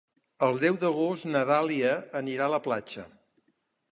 El deu d'agost na Dàlia anirà a la platja.